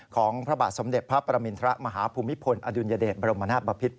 ของพระบาทสมเด็จพระประมินทรมาฮภูมิพลอดุลยเดชบรมนาศบพิษ